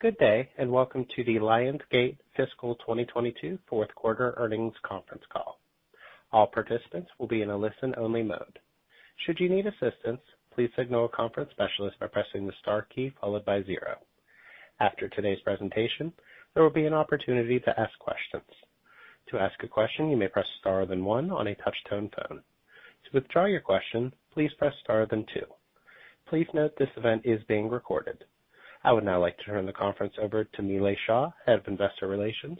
Good day, and welcome to the Lionsgate Fiscal 2022 Q4 Earnings Conference Call. All participants will be in a listen-only mode. Should you need assistance, please signal a conference specialist by pressing the star key followed by zero. After today's presentation, there will be an opportunity to ask questions. To ask a question, you may press star then one on a touch-tone phone. To withdraw your question, please press star then two. Please note this event is being recorded. I would now like to turn the conference over to Nilay Shah, Head of Investor Relations.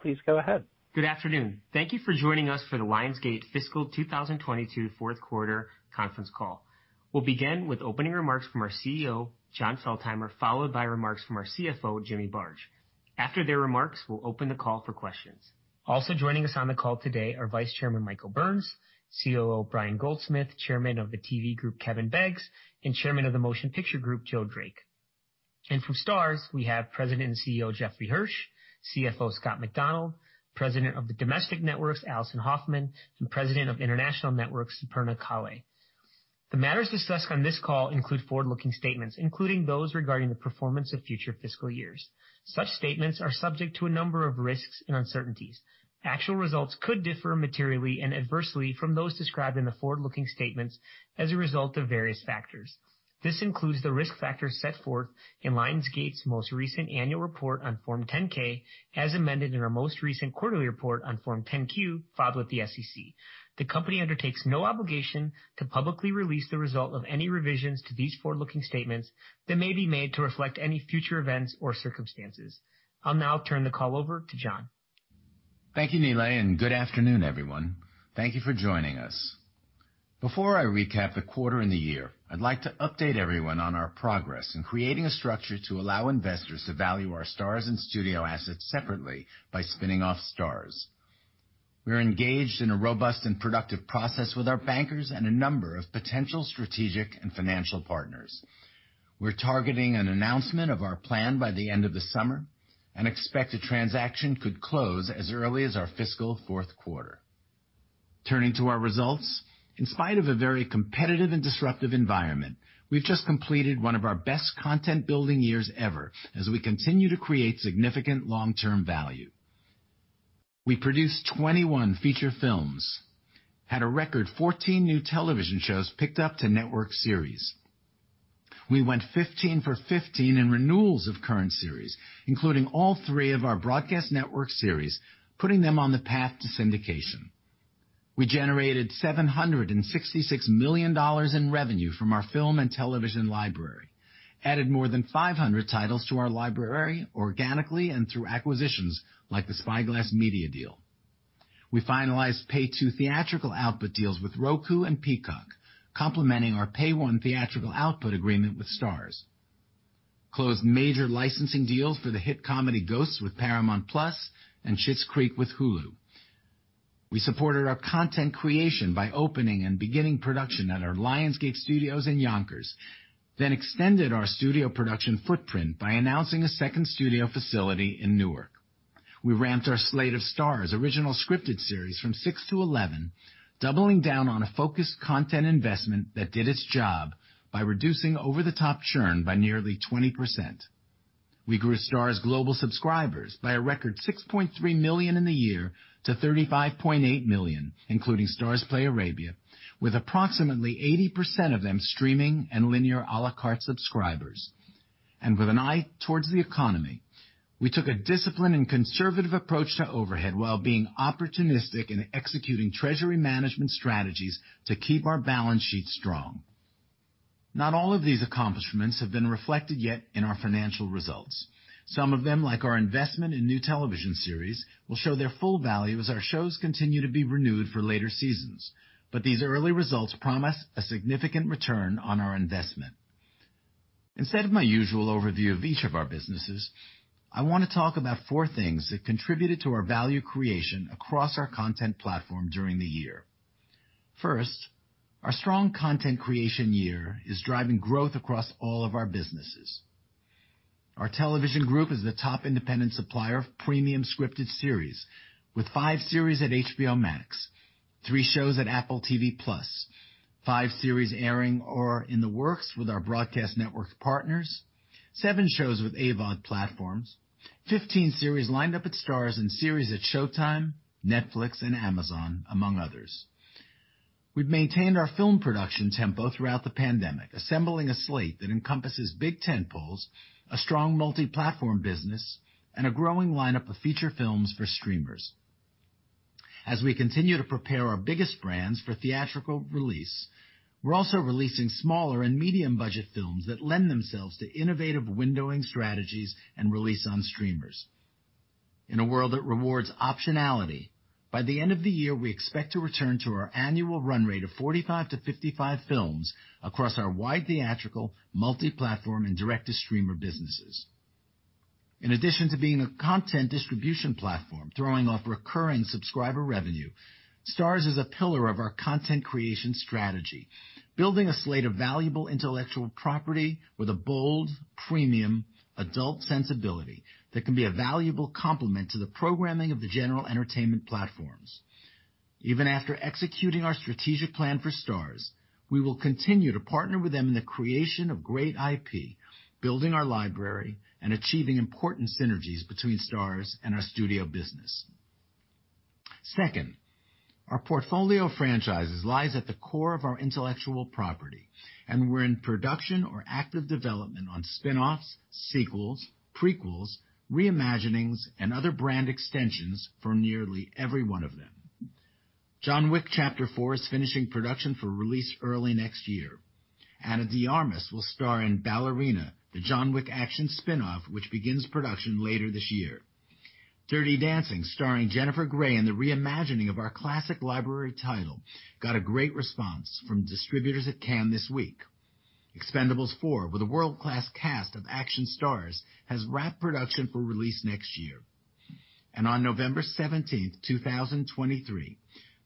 Please go ahead. Good afternoon. Thank you for joining us for the Lionsgate Fiscal 2022 Q4 Conference Call. We'll begin with opening remarks from our CEO, Jon Feltheimer, followed by remarks from our CFO, Jimmy Barge. After their remarks, we'll open the call for questions. Also joining us on the call today are Vice Chairman Michael Burns, COO Brian Goldsmith, Chairman of the TV Group Kevin Beggs, and Chairman of the Motion Picture Group Joe Drake. From Starz, we have President and CEO Jeffrey Hirsch, CFO Scott MacDonald, President of the Domestic Networks Alison Hoffman, and President of International Networks Superna Kalle. The matters discussed on this call include forward-looking statements, including those regarding the performance of future fiscal years. Such statements are subject to a number of risks and uncertainties. Actual results could differ materially and adversely from those described in the forward-looking statements as a result of various factors. This includes the risk factors set forth in Lionsgate's most recent annual report on Form 10-K, as amended in our most recent quarterly report on Form 10-Q filed with the SEC. The company undertakes no obligation to publicly release the result of any revisions to these forward-looking statements that may be made to reflect any future events or circumstances. I'll now turn the call over to Jon. Thank you, Nilay, and good afternoon, everyone. Thank you for joining us. Before I recap the quarter and the year, I'd like to update everyone on our progress in creating a structure to allow investors to value our Starz and Studio assets separately by spinning off Starz. We're engaged in a robust and productive process with our bankers and a number of potential strategic and financial partners. We're targeting an announcement of our plan by the end of the summer and expect the transaction could close as early as our fiscal Q4 Turning to our results, in spite of a very competitive and disruptive environment, we've just completed one of our best content building years ever as we continue to create significant long-term value. We produced 21 feature films, had a record 14 new television shows picked up to network series. We went 15 for 15 in renewals of current series, including all three of our broadcast network series, putting them on the path to syndication. We generated $766 million in revenue from our film and television library, added more than 500 titles to our library organically and through acquisitions like the Spyglass Media deal. We finalized Pay-Two theatrical output deals with Roku and Peacock, complementing our Pay-One theatrical output agreement with Starz. Closed major licensing deals for the hit comedy Ghosts with Paramount+ and Schitt's Creek with Hulu. We supported our content creation by opening and beginning production at our Lionsgate Studios in Yonkers, then extended our studio production footprint by announcing a second studio facility in Newark. We ramped our slate of Starz original scripted series from 6 to 11, doubling down on a focused content investment that did its job by reducing over-the-top churn by nearly 20%. We grew Starz global subscribers by a record 6.3 million in the year to 35.8 million, including Starzplay Arabia, with approximately 80% of them streaming and linear a la carte subscribers. With an eye towards the economy, we took a disciplined and conservative approach to overhead while being opportunistic in executing treasury management strategies to keep our balance sheet strong. Not all of these accomplishments have been reflected yet in our financial results. Some of them, like our investment in new television series, will show their full value as our shows continue to be renewed for later seasons. These early results promise a significant return on our investment. Instead of my usual overview of each of our businesses, I wanna talk about four things that contributed to our value creation across our content platform during the year. First, our strong content creation year is driving growth across all of our businesses. Our television group is the top independent supplier of premium scripted series, with five series at HBO Max, three shows at Apple TV+, five series airing or in the works with our broadcast network partners, seven shows with AVOD platforms, 15 series lined up at Starz and series at Showtime, Netflix, and Amazon, among others. We've maintained our film production tempo throughout the pandemic, assembling a slate that encompasses big tentpoles, a strong multi-platform business, and a growing lineup of feature films for streamers. As we continue to prepare our biggest brands for theatrical release, we're also releasing smaller and medium-budget films that lend themselves to innovative windowing strategies and release on streamers. In a world that rewards optionality, by the end of the year, we expect to return to our annual run rate of 45-55 films across our wide theatrical, multi-platform, and direct-to-streamer businesses. In addition to being a content distribution platform throwing off recurring subscriber revenue, Starz is a pillar of our content creation strategy, building a slate of valuable intellectual property with a bold, premium adult sensibility that can be a valuable complement to the programming of the general entertainment platforms. Even after executing our strategic plan for Starz, we will continue to partner with them in the creation of great IP, building our library, and achieving important synergies between Starz and our studio business. Second, our portfolio of franchises lies at the core of our intellectual property, and we're in production or active development on spinoffs, sequels, prequels, reimaginings, and other brand extensions for nearly every one of them. John Wick: Chapter 4 is finishing production for release early next year. Ana de Armas will star in Ballerina, the John Wick action spinoff, which begins production later this year. Dirty Dancing, starring Jennifer Grey in the reimagining of our classic library title, got a great response from distributors at Cannes this week. Expendables 4, with a world-class cast of action stars, has wrapped production for release next year. On November 17, 2023,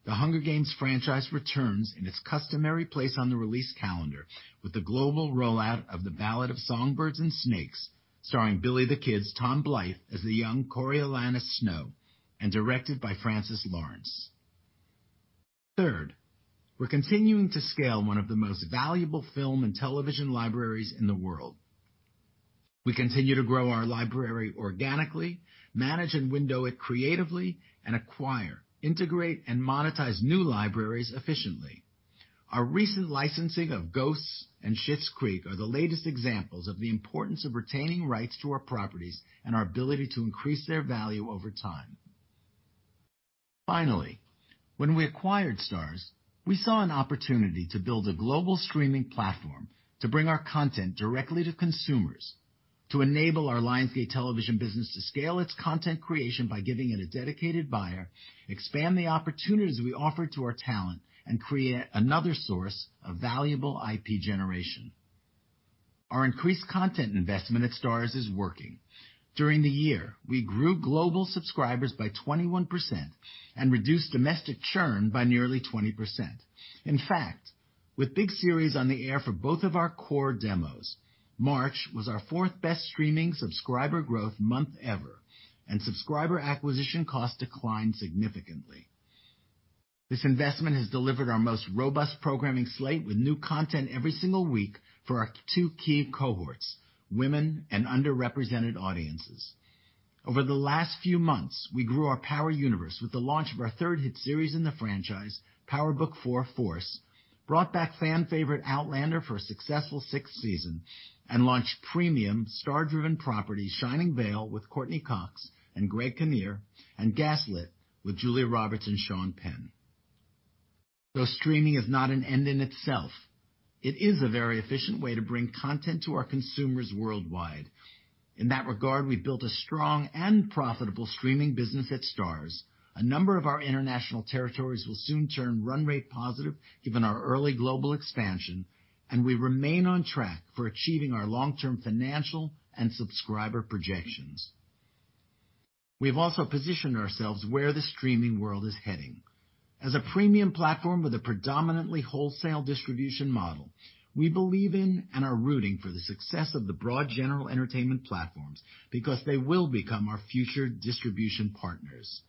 The Hunger Games franchise returns in its customary place on the release calendar with the global rollout of The Ballad of Songbirds and Snakes, starring Billy the Kid's Tom Blyth as the young Coriolanus Snow and directed by Francis Lawrence. Third, we're continuing to scale one of the most valuable film and television libraries in the world. We continue to grow our library organically, manage and window it creatively, and acquire, integrate, and monetize new libraries efficiently. Our recent licensing of Ghosts and Schitt's Creek are the latest examples of the importance of retaining rights to our properties and our ability to increase their value over time. Finally, when we acquired Starz, we saw an opportunity to build a global streaming platform to bring our content directly to consumers, to enable our Lionsgate television business to scale its content creation by giving it a dedicated buyer, expand the opportunities we offer to our talent, and create another source of valuable IP generation. Our increased content investment at Starz is working. During the year, we grew global subscribers by 21% and reduced domestic churn by nearly 20%. In fact, with big series on the air for both of our core demos, March was our fourth-best streaming subscriber growth month ever, and subscriber acquisition costs declined significantly. This investment has delivered our most robust programming slate with new content every single week for our two key cohorts, women and underrepresented audiences. Over the last few months, we grew our Power universe with the launch of our third hit series in the franchise, Power Book IV: Force, brought back fan-favorite Outlander for a successful sixth season, and launched premium star-driven properties Shining Vale with Courteney Cox and Greg Kinnear, and Gaslit with Julia Roberts and Sean Penn. Though streaming is not an end in itself, it is a very efficient way to bring content to our consumers worldwide. In that regard, we've built a strong and profitable streaming business at Starz. A number of our international territories will soon turn run-rate positive given our early global expansion, and we remain on track for achieving our long-term financial and subscriber projections. We've also positioned ourselves where the streaming world is heading. As a premium platform with a predominantly wholesale distribution model, we believe in and are rooting for the success of the broad general entertainment platforms because they will become our future distribution partners.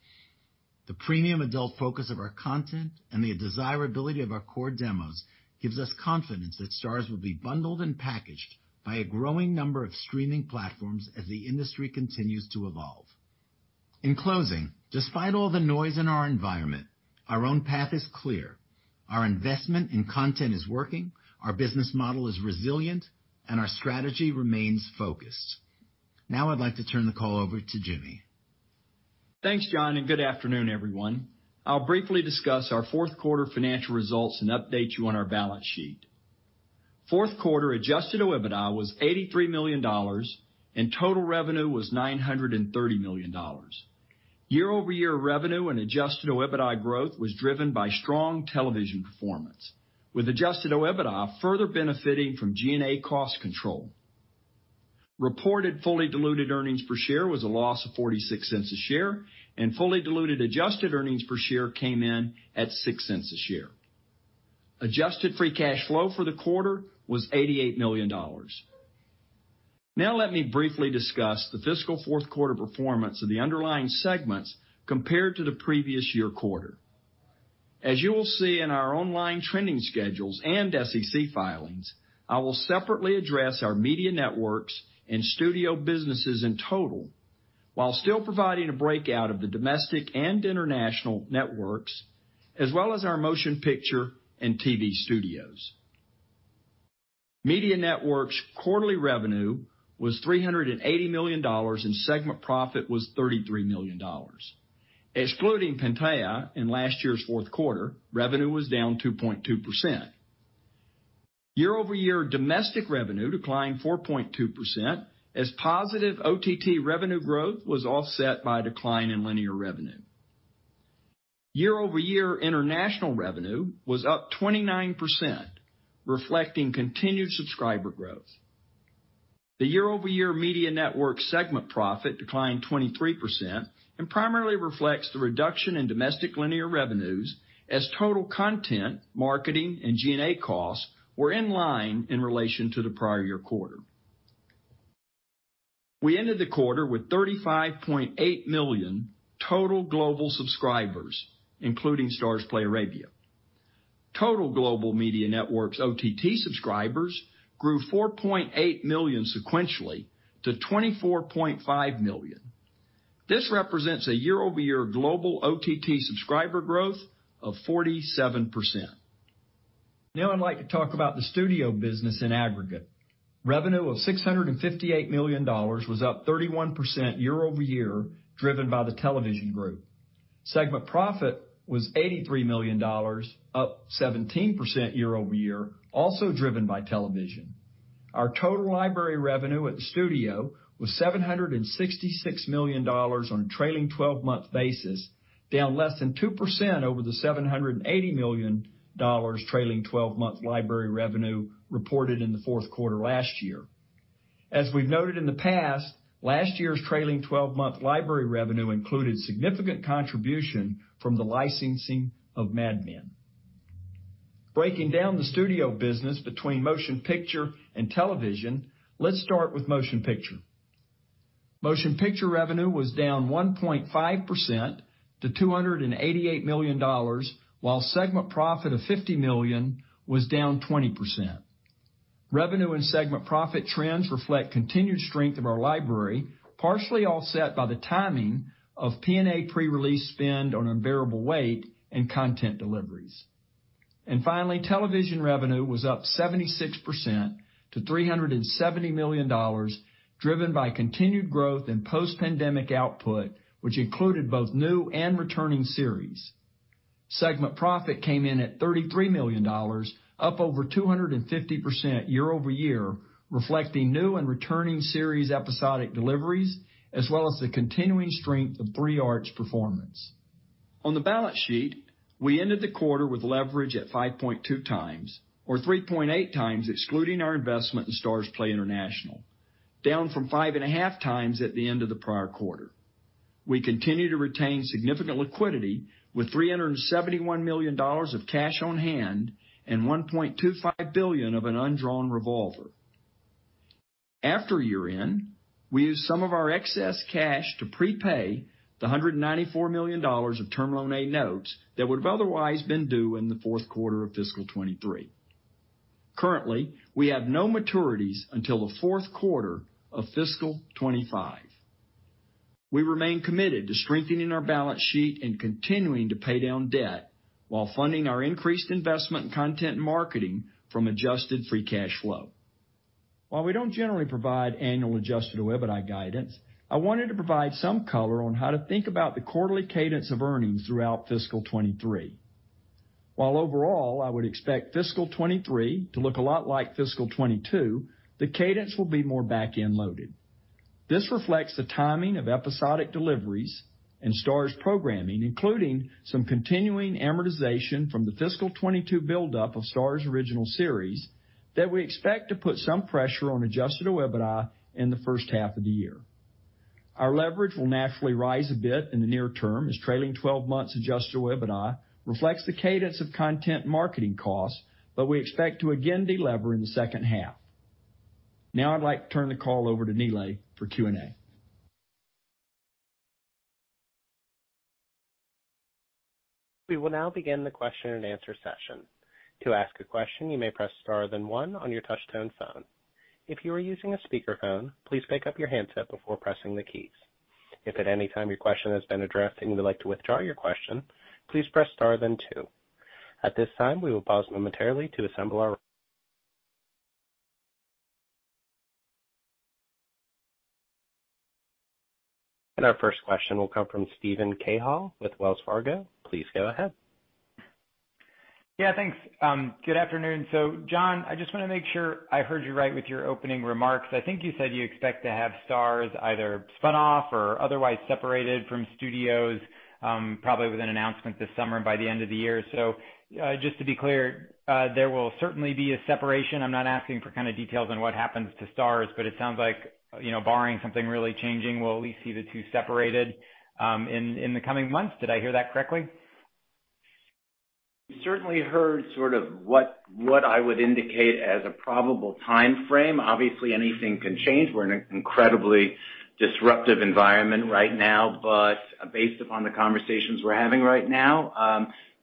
The premium adult focus of our content and the desirability of our core demos gives us confidence that Starz will be bundled and packaged by a growing number of streaming platforms as the industry continues to evolve. In closing, despite all the noise in our environment, our own path is clear. Our investment in content is working, our business model is resilient, and our strategy remains focused. Now I'd like to turn the call over to Jimmy. Thanks, Jon, and good afternoon, everyone. I'll briefly discuss our Q4 financial results and update you on our balance sheet. Q4 adjusted OIBDA was $83 million and total revenue was $930 million. Year-over-year revenue and adjusted OIBDA growth was driven by strong television performance, with adjusted OIBDA further benefiting from G&A cost control. Reported fully diluted earnings per share was a loss of $0.46 a share, and fully diluted adjusted earnings per share came in at $0.06 a share. Adjusted free cash flow for the quarter was $88 million. Now let me briefly discuss the fiscal Q4 performance of the underlying segments compared to the previous year quarter. As you will see in our online trending schedules and SEC filings, I will separately address our media networks and studio businesses in total while still providing a breakout of the domestic and international networks, as well as our motion picture and TV studios. Media networks' quarterly revenue was $380 million, and segment profit was $33 million. Excluding Pantaya in last year's Q4, revenue was down 2.2%. Year-over-year domestic revenue declined 4.2% as positive OTT revenue growth was offset by a decline in linear revenue. Year-over-year international revenue was up 29%, reflecting continued subscriber growth. The year-over-year media network segment profit declined 23% and primarily reflects the reduction in domestic linear revenues as total content, marketing, and G&A costs were in line in relation to the prior year quarter. We ended the quarter with 35.8 million total global subscribers, including Starzplay Arabia. Total global Media Networks OTT subscribers grew 4.8 million sequentially to 24.5 million. This represents a year-over-year global OTT subscriber growth of 47%. Now I'd like to talk about the studio business in aggregate. Revenue of $658 million was up 31% year-over-year, driven by the television group. Segment profit was $83 million, up 17% year-over-year, also driven by television. Our total library revenue at the studio was $766 million on a trailing-twelve-month basis, down less than 2% over the $780 million trailing-twelve-month library revenue reported in the Q4 last year. We've noted in the past, last year's trailing-twelve-month library revenue included significant contribution from the licensing of Mad Men. Breaking down the studio business between motion picture and television, let's start with motion picture. Motion picture revenue was down 1.5% to $288 million, while segment profit of $50 million was down 20%. Revenue and segment profit trends reflect continued strength of our library, partially offset by the timing of P&A pre-release spend on The Unbearable Weight of Massive Talent and content deliveries. Finally, television revenue was up 76% to $370 million, driven by continued growth in post-pandemic output, which included both new and returning series. Segment profit came in at $33 million, up over 250% year-over-year, reflecting new and returning series episodic deliveries, as well as the continuing strength of 3 Arts performance. On the balance sheet, we ended the quarter with leverage at 5.2x or 3.8x, excluding our investment in Starzplay International, down from 5.5x at the end of the prior quarter. We continue to retain significant liquidity with $371 million of cash on hand and $1.25 billion of an undrawn revolver. After year-end, we used some of our excess cash to prepay the $194 million of term loan A notes that would have otherwise been due in the Q4 of fiscal 2023. Currently, we have no maturities until the Q4 of fiscal 2025. We remain committed to strengthening our balance sheet and continuing to pay down debt while funding our increased investment in content marketing from adjusted free cash flow. While we don't generally provide annual adjusted OIBDAI guidance, I wanted to provide some color on how to think about the quarterly cadence of earnings throughout fiscal 2023. While overall, I would expect fiscal 2023 to look a lot like fiscal 2022, the cadence will be more back-end loaded. This reflects the timing of episodic deliveries and Starz programming, including some continuing amortization from the fiscal 2022 buildup of Starz Original series that we expect to put some pressure on adjusted OIBDAI in the first half of the year. Our leverage will naturally rise a bit in the near term as trailing twelve months adjusted OIBDAI reflects the cadence of content marketing costs, but we expect to again delever in the second half. Now I'd like to turn the call over to Nilay for Q&A. We will now begin the question-and-answer session. To ask a question, you may press star then one on your touch-tone phone. If you are using a speakerphone, please pick up your handset before pressing the keys. If at any time your question has been addressed and you would like to withdraw your question, please press star then two. At this time, we will pause momentarily to assemble. Our first question will come from Steven Cahall with Wells Fargo. Please go ahead. Yeah, thanks. Good afternoon. John, I just wanna make sure I heard you right with your opening remarks. I think you said you expect to have Starz either spun off or otherwise separated from studios, probably with an announcement this summer by the end of the year. Just to be clear, there will certainly be a separation. I'm not asking for kinda details on what happens to Starz, but it sounds like, you know, barring something really changing, we'll at least see the two separated in the coming months. Did I hear that correctly? You certainly heard sort of what I would indicate as a probable timeframe. Obviously, anything can change. We're in an incredibly disruptive environment right now, but based upon the conversations we're having right now,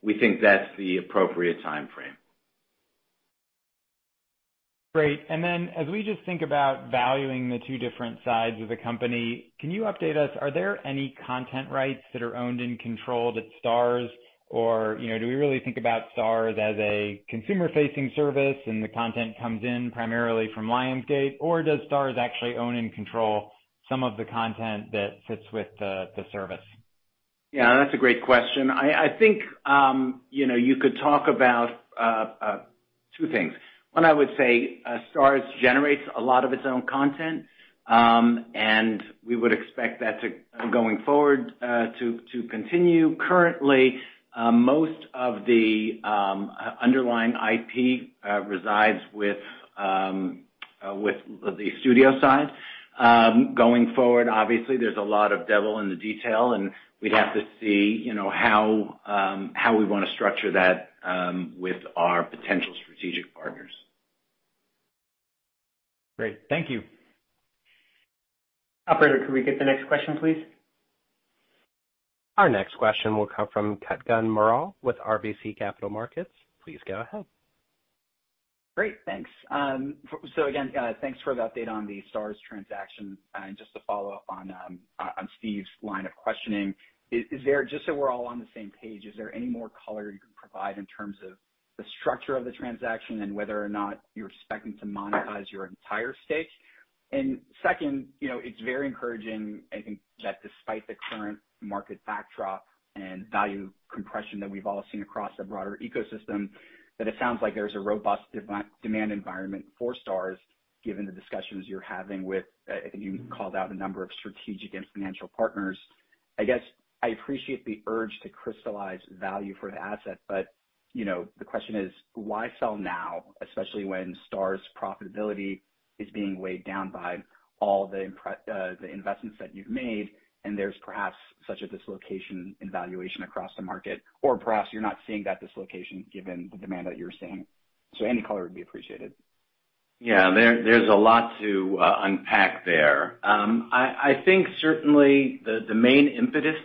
we think that's the appropriate timeframe. Great. As we just think about valuing the two different sides of the company, can you update us? Are there any content rights that are owned and controlled at Starz? Or, you know, do we really think about Starz as a consumer-facing service and the content comes in primarily from Lionsgate, or does Starz actually own and control some of the content that fits with the service? Yeah, that's a great question. I think you know, you could talk about two things. One, I would say, Starz generates a lot of its own content, and we would expect that to, going forward, to continue. Currently, most of the underlying IP resides with the studio side. Going forward, obviously, there's a lot of devil in the detail, and we'd have to see you know, how we wanna structure that with our potential strategic partners. Great. Thank you. Operator, could we get the next question, please? Our next question will come from Kutgun Maral with RBC Capital Markets. Please go ahead. Great, thanks. Again, thanks for the update on the Starz transaction. Just to follow up on Steve's line of questioning, just so we're all on the same page, is there any more color you can provide in terms of the structure of the transaction and whether or not you're expecting to monetize your entire stake? Second, you know, it's very encouraging, I think, that despite the current market backdrop and value compression that we've all seen across the broader ecosystem, that it sounds like there's a robust demand environment for Starz, given the discussions you're having with, I think you called out a number of strategic and financial partners. I guess I appreciate the urge to crystallize value for the asset, but, you know, the question is why sell now, especially when Starz profitability is being weighed down by all the investments that you've made, and there's perhaps such a dislocation in valuation across the market? Or perhaps you're not seeing that dislocation, given the demand that you're seeing. Any color would be appreciated. Yeah. There's a lot to unpack there. I think certainly the main impetus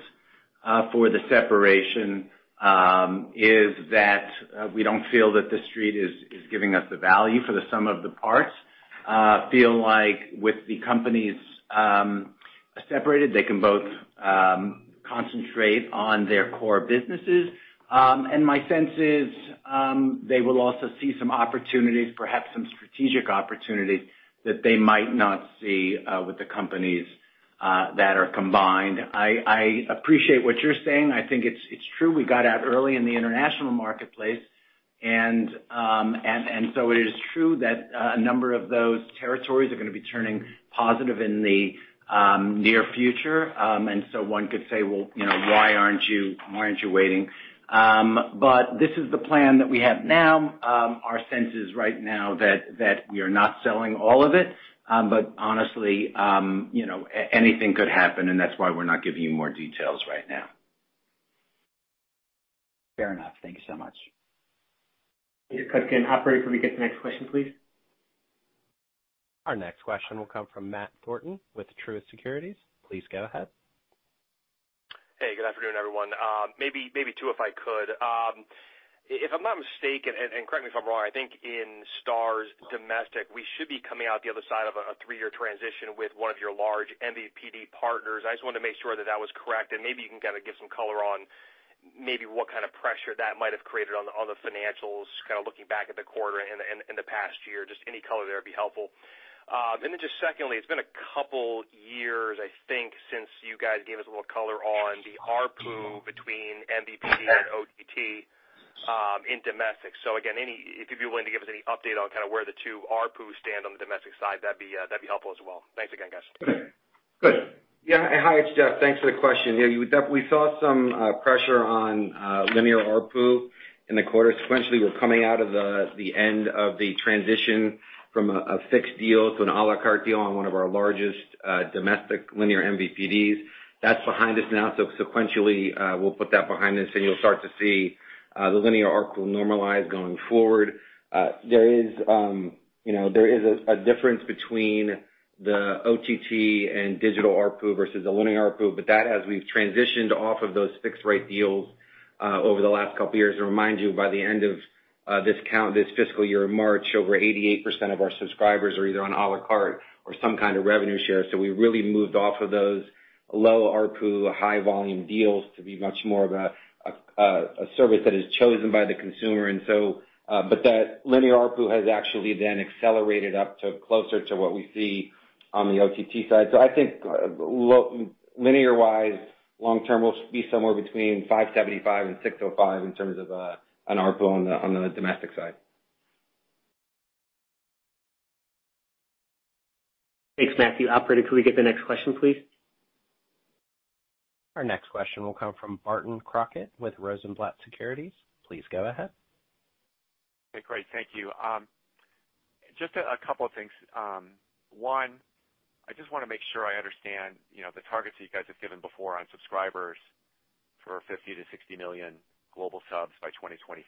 for the separation is that we don't feel that the Street is giving us the value for the sum of the parts. I feel like with the companies separated, they can both concentrate on their core businesses. My sense is they will also see some opportunities, perhaps some strategic opportunities, that they might not see with the companies that are combined. I appreciate what you're saying. I think it's true. We got out early in the international marketplace and so it is true that a number of those territories are gonna be turning positive in the near future. One could say, "Well, you know, why aren't you waiting?" This is the plan that we have now. Our sense is right now that we are not selling all of it, but honestly, you know, anything could happen, and that's why we're not giving you more details right now. Fair enough. Thank you so much. Thank you, Kutgun. Operator, can we get the next question, please? Our next question will come from Matthew Thornton with Truist Securities. Please go ahead. Hey, good afternoon, everyone. Maybe two, if I could. If I'm not mistaken, and correct me if I'm wrong, I think in Starz domestic, we should be coming out the other side of a three-year transition with one of your large MVPD partners. I just wanted to make sure that was correct, and maybe you can kinda give some color on maybe what kind of pressure that might have created on the financials, kinda looking back at the quarter in the past year. Just any color there would be helpful. Just secondly, it's been a couple years, I think, since you guys gave us a little color on the ARPU between MVPD and OTT in domestic. Again, if you'd be willing to give us any update on kinda where the two ARPUs stand on the domestic side, that'd be helpful as well. Thanks again, guys. Go ahead. Yeah. Hi, it's Jeff. Thanks for the question. Yeah, you would. We saw some pressure on linear ARPU in the quarter. Sequentially, we're coming out of the end of the transition from a fixed deal to an à la carte deal on one of our largest domestic linear MVPDs. That's behind us now, so sequentially, we'll put that behind us, and you'll start to see the linear ARPU normalize going forward. There is, you know, there is a difference between the OTT and digital ARPU versus the linear ARPU, but that, as we've transitioned off of those fixed rate deals over the last couple years. To remind you, by the end of this fiscal year in March, over 88% of our subscribers are either on à la carte or some kind of revenue share. We really moved off of those low ARPU, high volume deals to be much more of a service that is chosen by the consumer. That linear ARPU has actually then accelerated up to closer to what we see on the OTT side. I think, linear-wise, long term we'll be somewhere between $5.75 and $6.05 in terms of an ARPU on the domestic side. Thanks, Matthew. Operator, could we get the next question, please? Our next question will come from Barton Crockett with Rosenblatt Securities. Please go ahead. Okay, great. Thank you. Just a couple of things. One, I just wanna make sure I understand, you know, the targets that you guys have given before on subscribers for 50-60 million global subs by 2025.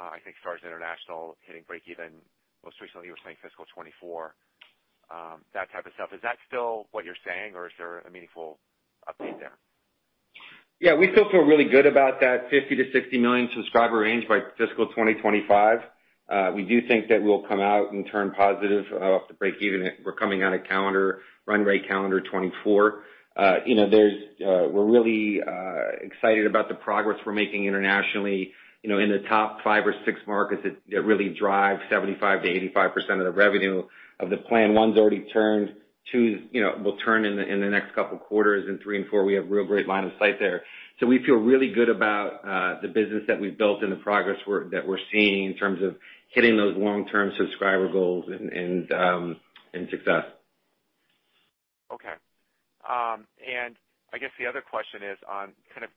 I think Starzplay International hitting breakeven, most recently you were saying fiscal 2024, that type of stuff. Is that still what you're saying, or is there a meaningful update there? Yeah. We still feel really good about that 50-60 million subscriber range by fiscal 2025. We do think that we'll come out and turn positive off the breakeven. We're coming out of calendar run rate calendar 2024. You know, we're really excited about the progress we're making internationally. You know, in the top five or six markets it really drives 75%-85% of the revenue of the plan. One's already turned. Two's will turn in the next couple quarters. In three and four, we have real great line of sight there. We feel really good about the business that we've built and the progress we're seeing in terms of hitting those long-term subscriber goals and success. Okay. I guess the other question is on kind of,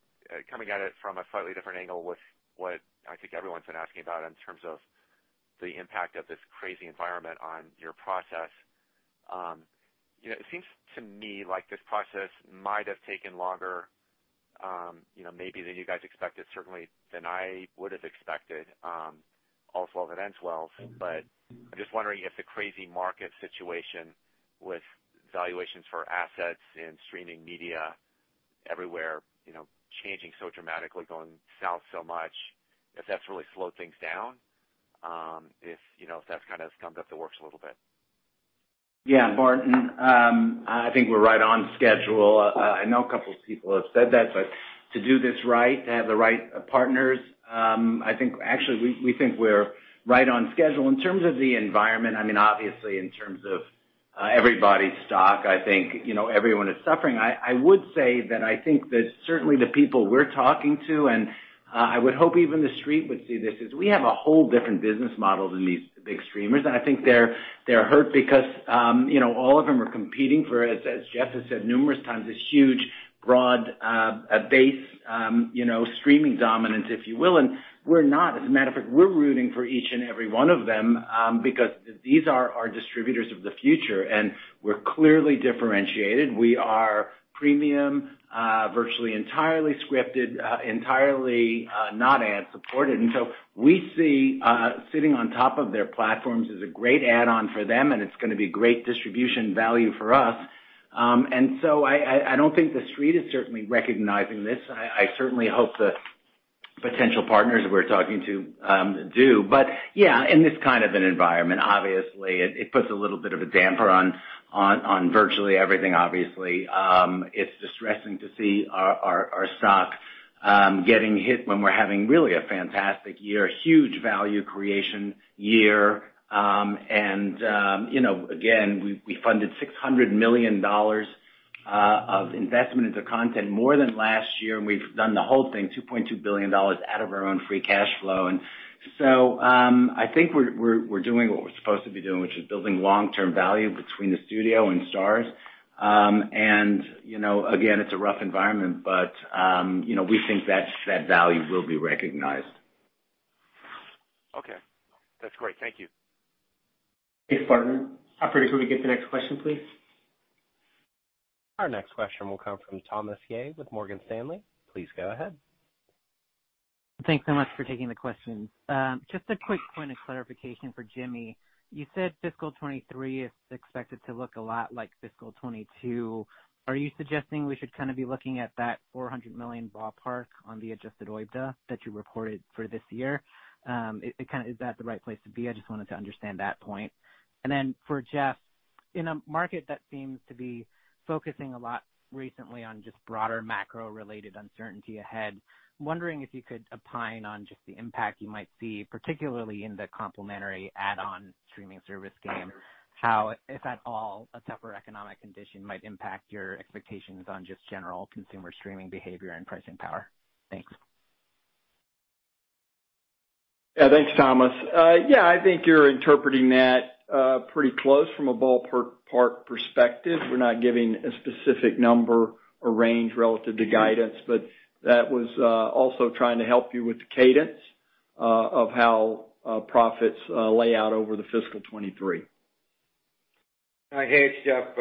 coming at it from a slightly different angle with what I think everyone's been asking about in terms of the impact of this crazy environment on your process. You know, it seems to me like this process might have taken longer, you know, maybe than you guys expected, certainly than I would've expected, all's well that ends well. I'm just wondering if the crazy market situation with valuations for assets in streaming media everywhere, you know, changing so dramatically, going south so much, if that's really slowed things down, if you know if that's kind of gummed up the works a little bit. Yeah, Barton. I think we're right on schedule. I know a couple of people have said that, but to do this right, to have the right partners, actually, we think we're right on schedule. In terms of the environment, I mean, obviously, in terms of everybody's stock, I think, you know, everyone is suffering. I would say that I think that certainly the people we're talking to, and I would hope even The Street would see this, is we have a whole different business model than these big streamers. I think they're hurt because, you know, all of them are competing for it. As Jeff has said numerous times, this huge broad base, you know, streaming dominance, if you will, and we're not. As a matter of fact, we're rooting for each and every one of them, because these are our distributors of the future, and we're clearly differentiated. We are premium, virtually entirely scripted, entirely, not ad-supported. We see sitting on top of their platforms as a great add-on for them, and it's gonna be a great distribution value for us. I don't think The Street is certainly recognizing this. I certainly hope the potential partners we're talking to do. Yeah, in this kind of an environment, obviously it puts a little bit of a damper on virtually everything, obviously. It's distressing to see our stock getting hit when we're having really a fantastic year, huge value creation year. You know, again, we funded $600 million of investment into content more than last year, and we've done the whole thing, $2.2 billion out of our own free cash flow. I think we're doing what we're supposed to be doing, which is building long-term value between the studio and Starz. You know, again, it's a rough environment, but you know, we think that value will be recognized. Okay. That's great. Thank you. Thanks, Barton. Operator, could we get the next question, please? Our next question will come from Thomas Yeh with Morgan Stanley. Please go ahead. Thanks so much for taking the question. Just a quick point of clarification for Jimmy. You said fiscal 2023 is expected to look a lot like fiscal 2022. Are you suggesting we should kind of be looking at that $400 million ballpark on the adjusted OIBDA that you reported for this year? Is that the right place to be? I just wanted to understand that point. Then for Jeff, in a market that seems to be focusing a lot recently on just broader macro-related uncertainty ahead, I'm wondering if you could opine on just the impact you might see, particularly in the complementary add-on streaming service game, how, if at all, a tougher economic condition might impact your expectations on just general consumer streaming behavior and pricing power. Thanks. Yeah. Thanks, Thomas. Yeah, I think you're interpreting that pretty close from a ballpark perspective. We're not giving a specific number or range relative to guidance. That was also trying to help you with the cadence of how profits lay out over the fiscal 2023. Hey, Jeff.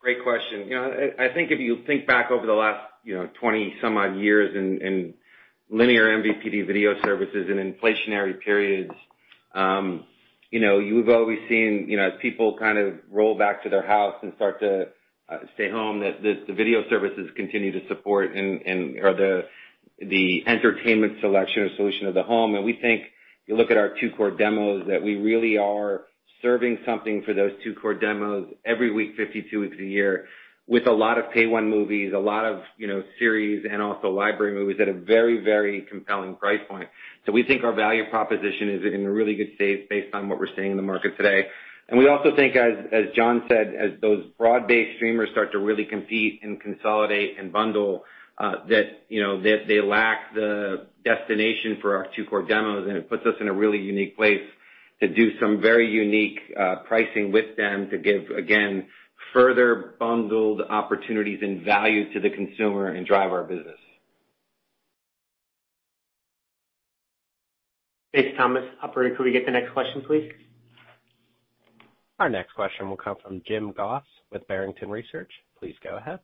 Great question. You know, I think if you think back over the last 20-some-odd years in linear MVPD video services and inflationary periods, you know, you've always seen, you know, as people kind of roll back to their house and start to stay home, that the video services continue to support or the entertainment selection or solution of the home. We think you look at our two core demos, that we really are serving something for those two core demos every week, 52 weeks a year, with a lot of Pay-One movies, a lot of series and also library movies at a very, very compelling price point. We think our value proposition is in a really good state based on what we're seeing in the market today. We also think, as John said, as those broad-based streamers start to really compete and consolidate and bundle, that they lack the destination for our two core demos, and it puts us in a really unique place to do some very unique pricing with them to give, again, further bundled opportunities and value to the consumer and drive our business. Thanks, Thomas. Operator, could we get the next question, please? Our next question will come from Jim Goss with Barrington Research. Please go ahead.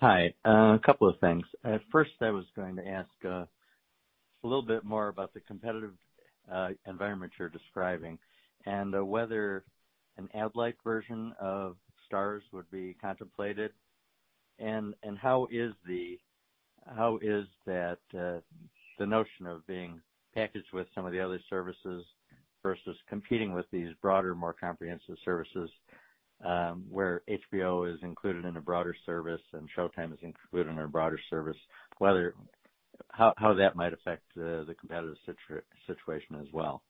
Hi. A couple of things. First, I was going to ask a little bit more about the competitive environment you're describing, and whether an ad-like version of Starz would be contemplated, and how is that the notion of being packaged with some of the other services versus competing with these broader, more comprehensive services, where HBO is included in a broader service and Showtime is included in a broader service, whether how that might affect the competitive situation as well.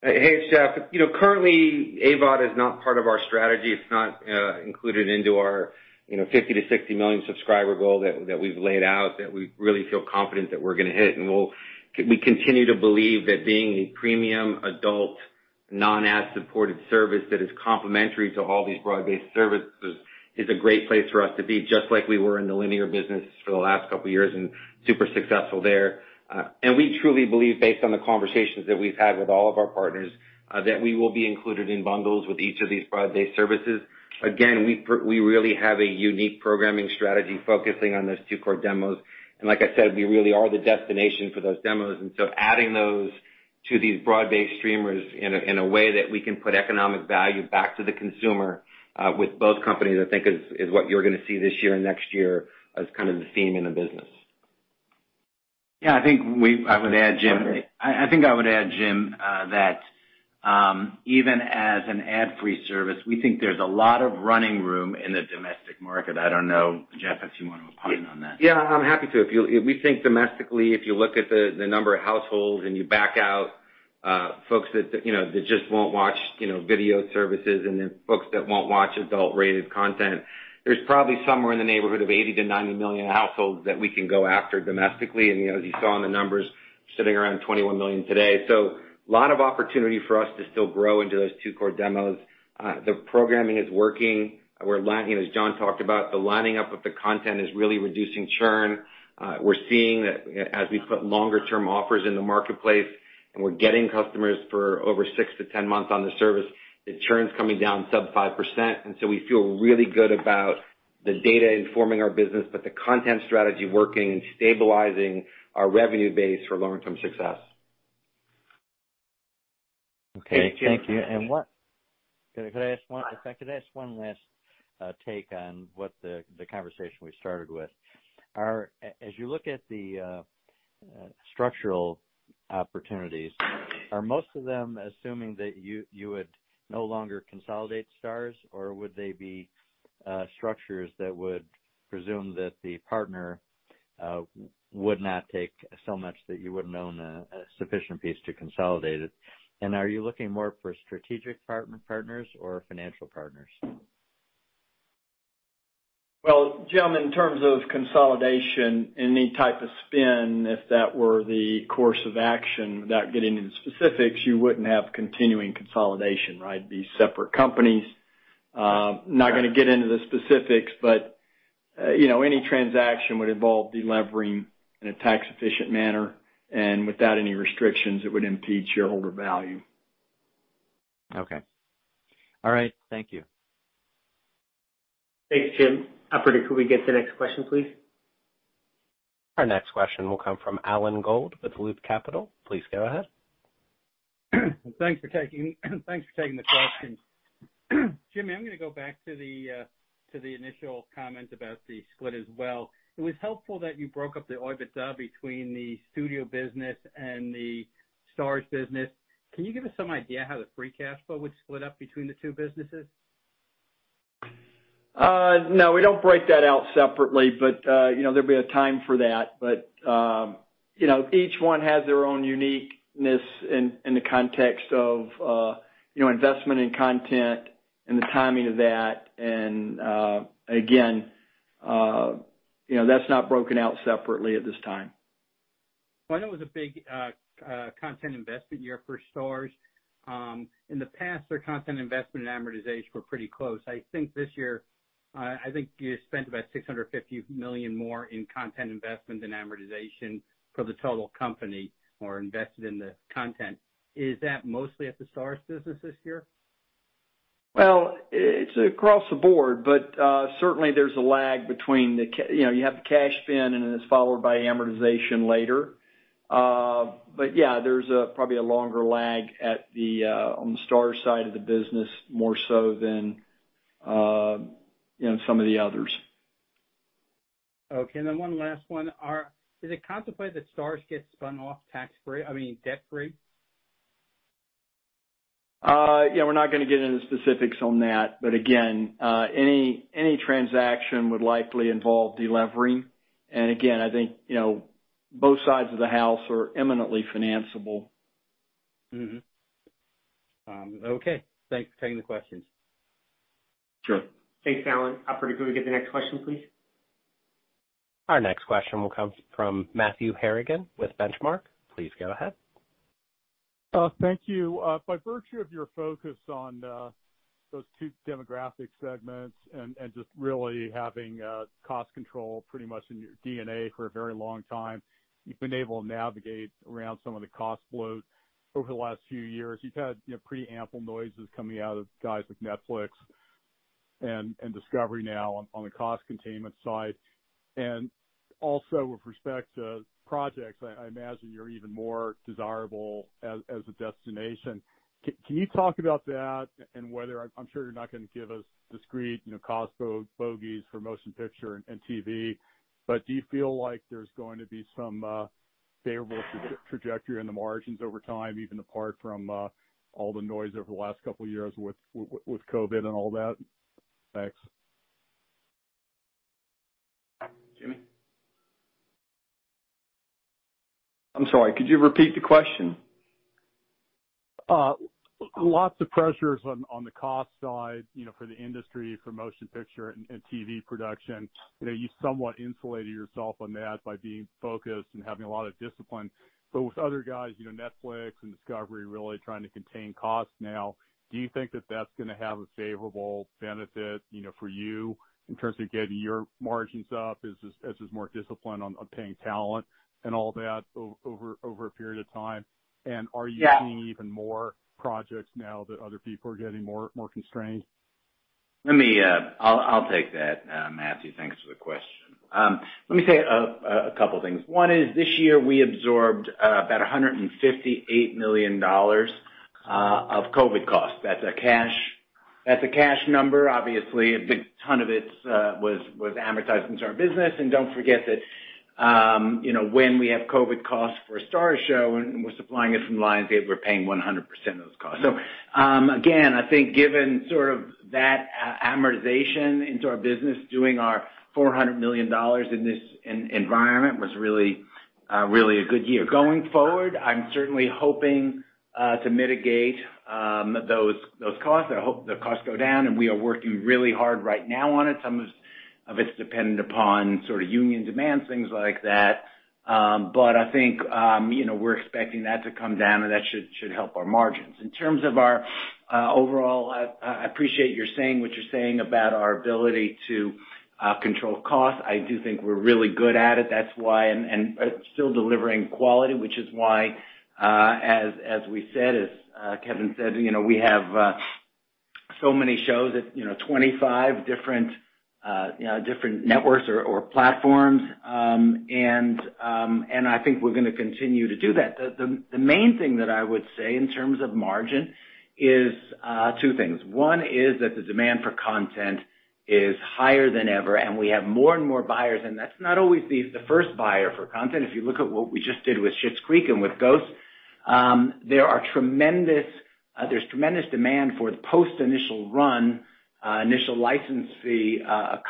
Hey, hey, Jeff. You know, currently AVOD is not part of our strategy. It's not included in our, you know, 50-60 million subscriber goal that we've laid out, that we really feel confident that we're gonna hit. We continue to believe that being a premium adult Non-ad supported service that is complementary to all these broad-based services is a great place for us to be, just like we were in the linear business for the last couple of years and super successful there. We truly believe, based on the conversations that we've had with all of our partners, that we will be included in bundles with each of these broad-based services. Again, we really have a unique programming strategy focusing on those two core demos. Like I said, we really are the destination for those demos, and so adding those to these broad-based streamers in a way that we can put economic value back to the consumer with both companies, I think is what you're gonna see this year and next year as kind of the theme in the business. Yeah, I think I would add, Jim, that even as an ad-free service, we think there's a lot of running room in the domestic market. I don't know, Jeff, if you want to opine on that. Yeah, I'm happy to. We think domestically, if you look at the number of households and you back out folks that you know that just won't watch you know video services and then folks that won't watch adult-rated content, there's probably somewhere in the neighborhood of 80-90 million households that we can go after domestically. You know, as you saw in the numbers, sitting around 21 million today. A lot of opportunity for us to still grow into those two core demos. The programming is working. We're lining up. As John talked about, the lining up of the content is really reducing churn. We're seeing that as we put longer term offers in the marketplace, and we're getting customers for over 6-10 months on the service, the churn's coming down sub 5%. We feel really good about the data informing our business, but the content strategy working and stabilizing our revenue base for long-term success. Okay. Thank you. Can I ask one? In fact, could I ask one last take on what the conversation we started with? As you look at the structural opportunities, are most of them assuming that you would no longer consolidate Starz, or would they be structures that would presume that the partner would not take so much that you wouldn't own a sufficient piece to consolidate it? Are you looking more for strategic partners or financial partners? Well, Jim, in terms of consolidation, any type of spin, if that were the course of action, without getting into specifics, you wouldn't have continuing consolidation, right? These separate companies, not gonna get into the specifics, but, you know, any transaction would involve delevering in a tax-efficient manner and without any restrictions that would impede shareholder value. Okay. All right. Thank you. Thanks, Jim. Operator, could we get the next question, please? Our next question will come from Alan Gould with Loop Capital. Please go ahead. Thanks for taking the question. Jimmy, I'm gonna go back to the initial comment about the split as well. It was helpful that you broke up the OIBDA between the studio business and the Starz business. Can you give us some idea how the free cash flow would split up between the two businesses? No, we don't break that out separately, but you know, there'll be a time for that. You know, each one has their own uniqueness in the context of you know, investment in content and the timing of that. Again, you know, that's not broken out separately at this time. Well, I know it was a big content investment year for Starz. In the past, their content investment and amortization were pretty close. I think this year, I think you spent about $650 million more in content investment than amortization for the total company or invested in the content. Is that mostly at the Starz business this year? Well, it's across the board, but certainly there's a lag between the you know, you have the cash spend, and then it's followed by amortization later. But yeah, there's probably a longer lag at the on the Starz side of the business, more so than you know, some of the others. Okay. One last one. Is it contemplated that Starz gets spun off tax-free, I mean, debt-free? Yeah, we're not gonna get into specifics on that. Again, any transaction would likely involve delevering. Again, I think, you know, both sides of the house are eminently financeable. Okay. Thanks for taking the questions. Sure. Thanks, Alan. Operator, could we get the next question, please? Our next question will come from Matthew Harrigan with Benchmark. Please go ahead. Thank you. By virtue of your focus on those two demographic segments and just really having cost control pretty much in your DNA for a very long time, you've been able to navigate around some of the cost blows over the last few years. You've had, you know, pretty ample noises coming out of guys like Netflix and Discovery now on the cost containment side. Also with respect to projects, I imagine you're even more desirable as a destination. Can you talk about that and whether. I'm sure you're not gonna give us discrete, you know, cost bogies for motion picture and TV, but do you feel like there's going to be some favorable trajectory in the margins over time, even apart from all the noise over the last couple of years with COVID and all that? Thanks. Jimmy? I'm sorry, could you repeat the question? Lots of pressures on the cost side, you know, for the industry for motion picture and TV production. You know, you somewhat insulated yourself on that by being focused and having a lot of discipline. With other guys, you know, Netflix and Discovery really trying to contain costs now, do you think that that's gonna have a favorable benefit, you know, for you in terms of getting your margins up as more discipline on paying talent and all that over a period of time? And are you- Yeah seeing even more projects now that other people are getting more constrained? Let me, I'll take that, Matthew. Thanks for the question. Let me say a couple things. One is this year we absorbed about $158 million of COVID costs. That's a cash number. Obviously, a big ton of it was amortized into our business. Don't forget that, you know, when we have COVID costs for a Starz show and we're supplying it from Lionsgate, we're paying 100% of those costs. Again, I think given sort of that amortization into our business, doing our $400 million in this environment was really a good year. Going forward, I'm certainly hoping to mitigate those costs. I hope the costs go down, and we are working really hard right now on it. Some of it's dependent upon sort of union demands, things like that. But I think, you know, we're expecting that to come down, and that should help our margins. In terms of our overall, I appreciate your saying what you're saying about our ability to control cost. I do think we're really good at it, that's why, and but still delivering quality, which is why, as we said, as Kevin said, you know, we have so many shows at, you know, 25 different networks or platforms. I think we're gonna continue to do that. The main thing that I would say in terms of margin is two things. One is that the demand for content is higher than ever, and we have more and more buyers, and that's not always the first buyer for content. If you look at what we just did with Schitt's Creek and with Ghosts, there's tremendous demand for the post initial run initial licensee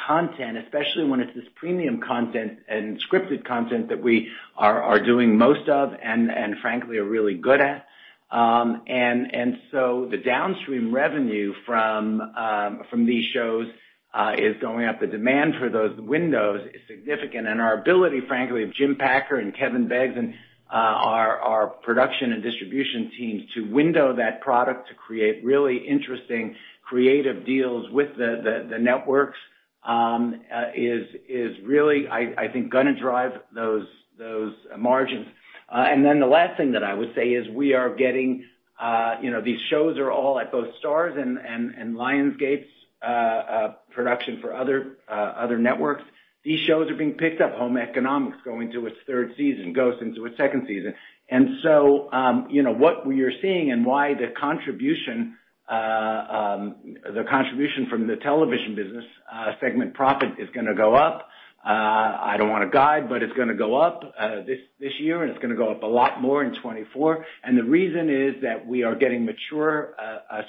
content, especially when it's this premium content and scripted content that we are doing most of, and frankly are really good at. The downstream revenue from these shows is going up. The demand for those windows is significant, and our ability, frankly, of Jim Packer and Kevin Beggs and our production and distribution teams to window that product to create really interesting creative deals with the networks is really, I think, gonna drive those margins. The last thing that I would say is we are getting these shows are all at both Starz and Lionsgate's production for other networks. These shows are being picked up. Home Economics going to its third season, Ghosts into its second season. You know, what we are seeing and why the contribution from the television business segment profit is gonna go up. I don't wanna guide, but it's gonna go up this year, and it's gonna go up a lot more in 2024. The reason is that we are getting mature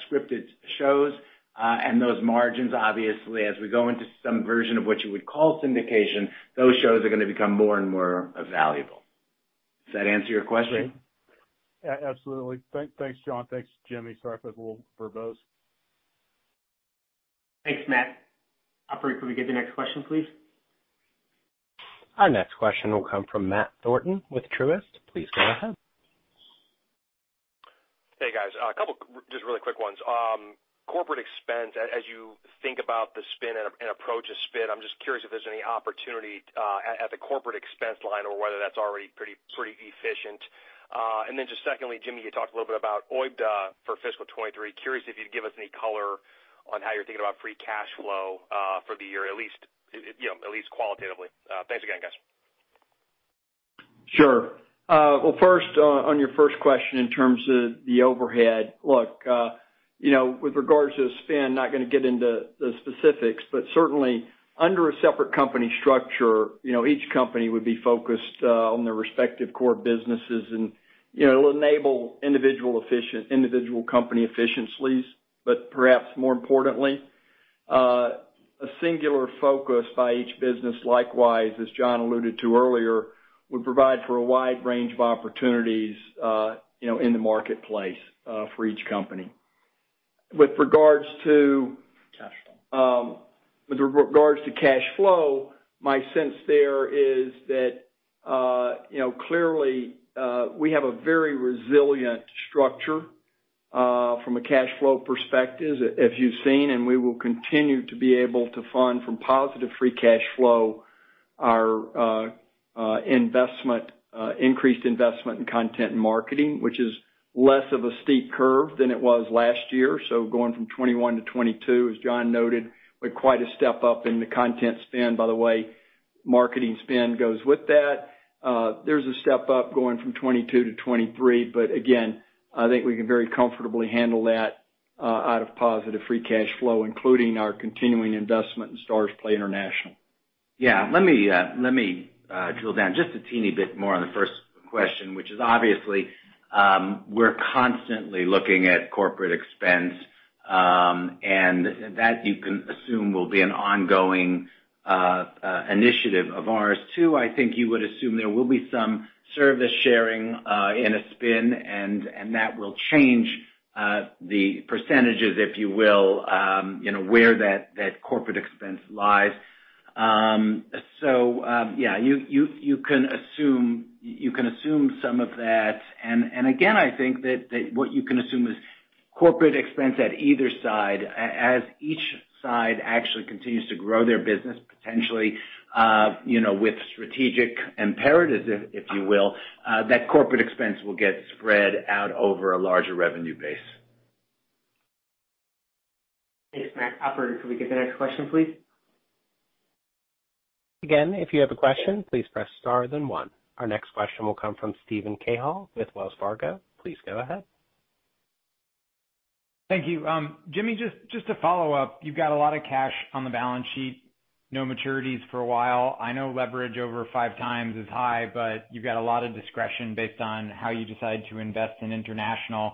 scripted shows, and those margins, obviously, as we go into some version of what you would call syndication, those shows are gonna become more and more valuable. Does that answer your question? Yeah. Absolutely. Thanks, John. Thanks, Jimmy. Sorry if I was a little verbose. Thanks, Matt. Operator, could we get the next question, please? Our next question will come from Matthew Thornton with Truist. Please go ahead. Hey, guys. A couple just really quick ones. Corporate expense, as you think about the spin and approach a spin, I'm just curious if there's any opportunity at the corporate expense line or whether that's already pretty efficient. Just secondly, Jimmy, you talked a little bit about OIBDA for fiscal 2023. Curious if you'd give us any color on how you're thinking about free cash flow for the year, at least, you know, at least qualitatively. Thanks again, guys. Sure. Well, first, on your first question in terms of the overhead. Look, you know, with regards to the spin, not gonna get into the specifics, but certainly, under a separate company structure, you know, each company would be focused on their respective core businesses. You know, it'll enable individual company efficiencies. Perhaps more importantly, a singular focus by each business, likewise, as John alluded to earlier, would provide for a wide range of opportunities, you know, in the marketplace, for each company. With regards to- Cash flow With regard to cash flow, my sense there is that, you know, clearly, we have a very resilient structure, from a cash flow perspective, as you've seen, and we will continue to be able to fund from positive free cash flow our increased investment in content and marketing, which is less of a steep curve than it was last year. Going from 2021 to 2022, as Jon noted, with quite a step up in the content spend. By the way, marketing spend goes with that. There's a step up going from 2022 to 2023, but again, I think we can very comfortably handle that, out of positive free cash flow, including our continuing investment in Starzplay International. Yeah. Let me drill down just a teeny bit more on the first question, which is obviously, we're constantly looking at corporate expense. That you can assume will be an ongoing initiative of ours too. I think you would assume there will be some service sharing in a spin and that will change the percentages, if you will, you know, where that corporate expense lies. You can assume some of that. I think that what you can assume is corporate expense at either side as each side actually continues to grow their business, potentially, you know, with strategic imperatives if you will, that corporate expense will get spread out over a larger revenue base. Thanks, Matt. Operator, could we get the next question, please? Again, if you have a question, please press star then one. Our next question will come from Steven Cahall with Wells Fargo. Please go ahead. Thank you. Jimmy, just to follow up, you've got a lot of cash on the balance sheet, no maturities for a while. I know leverage over 5x is high, but you've got a lot of discretion based on how you decide to invest in international.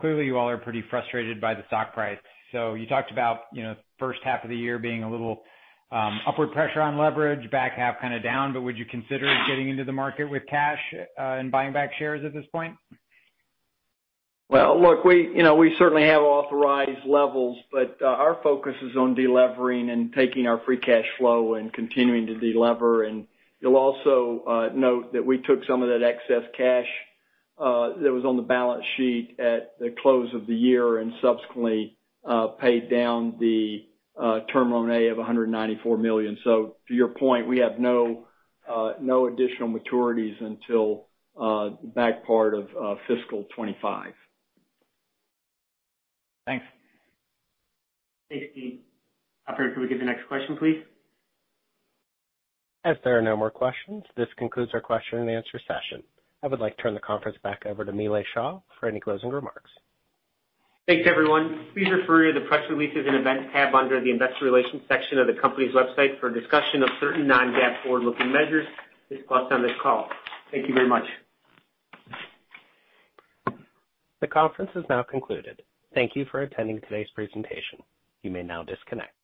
Clearly, you all are pretty frustrated by the stock price. You talked about, you know, first half of the year being a little upward pressure on leverage, back half kinda down, but would you consider getting into the market with cash and buying back shares at this point? Well, look, we, you know, we certainly have authorized levels, but our focus is on delevering and taking our free cash flow and continuing to delever. You'll also note that we took some of that excess cash that was on the balance sheet at the close of the year and subsequently paid down the term loan A of $194 million. To your point, we have no additional maturities until the back part of fiscal 2025. Thanks. Thanks, Steve. Operator, could we get the next question, please? As there are no more questions, this concludes our question and answer session. I would like to turn the conference back over to Nilay Shah for any closing remarks. Thanks, everyone. Please refer to the press releases and events tab under the investor relations section of the company's website for a discussion of certain non-GAAP forward-looking measures discussed on this call. Thank you very much. The conference has now concluded. Thank you for attending today's presentation. You may now disconnect.